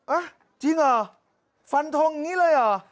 จริงเหรอฟันทงอย่างนี้เลยเหรอ